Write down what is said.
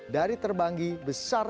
dari terbangi besar